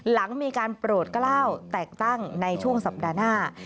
หลังมีการโปรดกล้าวแตกตั้งในช่วงสัปดาห์หน้า